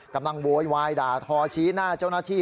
โวยวายด่าทอชี้หน้าเจ้าหน้าที่